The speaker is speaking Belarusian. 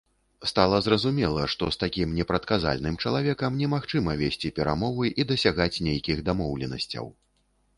Стала зразумела, што з такім непрадказальным чалавекам немагчыма весці перамовы і дасягаць нейкіх дамоўленасцяў.